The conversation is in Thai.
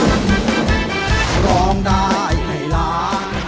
ว่าลองได้ให้ล้าง